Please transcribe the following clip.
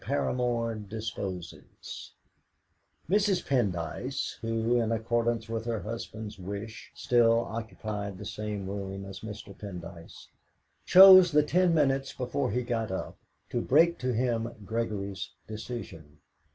PARAMOR DISPOSES Mrs. Pendyce, who, in accordance with her husband's wish, still occupied the same room as Mr. Pendyce, chose the ten minutes before he got up to break to him Gregory's decision.